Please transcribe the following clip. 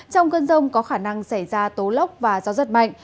trong cơn rông có khả năng xảy ra tố lóc và gió giật mạnh